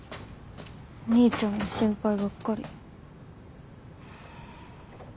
お兄ちゃんの心配ばっかり。